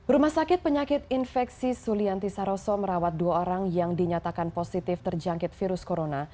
rumah sakit penyakit infeksi sulianti saroso merawat dua orang yang dinyatakan positif terjangkit virus corona